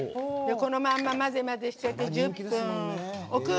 このまま混ぜ混ぜしちゃって１０分置く！